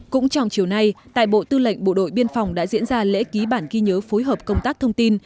cũng trong chiều nay tại bộ tư lệnh bộ đội biên phòng đã diễn ra lễ ký bản ghi nhớ phối hợp công tác thông tin